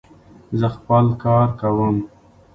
زه خپل کار کوم.